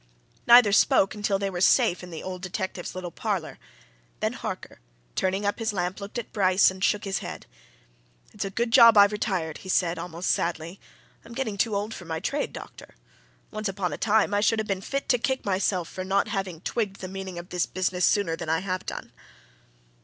Neither spoke until they were safe in the old detective's little parlour, then Harker, turning up his lamp, looked at Bryce and shook his head. "It's a good job I've retired!" he said, almost sadly. "I'm getting too old for my trade, doctor. Once upon a time I should have been fit to kick myself for not having twigged the meaning of this business sooner than I have done!"